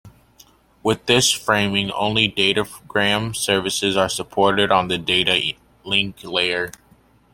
With this framing only datagram services are supported on the data link layer.